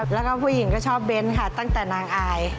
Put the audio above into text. แล้วก็ผู้หญิงก็ชอบเบ้นค่ะตั้งแต่นางอาย